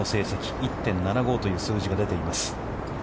１．７５という数字が出ています。